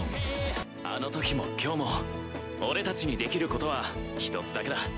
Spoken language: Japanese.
「あのときも今日も俺たちにできることは一つだけだ」